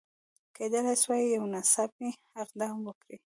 کېدلای سوای یو ناڅاپي اقدام وکړي.